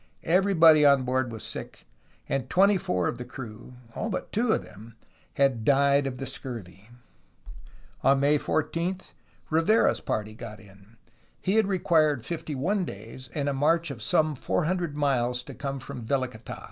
Everybody on board was sick, and twenty four of the crew (all but two of them) had died of the scurvy. On May 14, Rivera's party got in. He had required fifty one days and a march of some four hundred miles to come from Velicata.